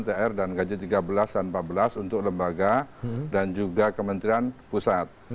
kemudian kementerian keuangan thr dan gaji tiga belas dan empat belas untuk lembaga dan juga kementerian pusat